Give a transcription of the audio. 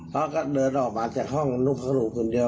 เพราะก็เดินออกมาจากห้องนุ่มพระครูคนเดียว